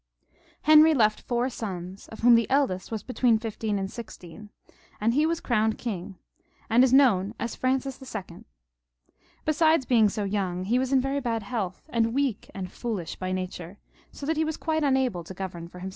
Henry left four sons, of whom the eldest was between fifteen and sixteen, and he was crowned king, and is known as Francis II. Besides being so young, he was in very bad health, and weak and foolish by nature, so that he was quite unable to govern for himseK.